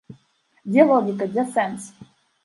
Дзе логіка, дзе сэнс?